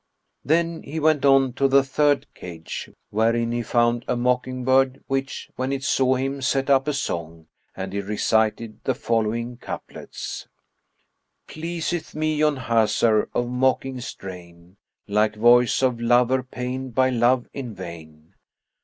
'" Then he went on to the third cage, wherein he found a mockingbird[FN#61] which, when it saw him, set up a song, and he recited the following couplets, "Pleaseth me yon Hazar of mocking strain * Like voice of lover pained by love in vain.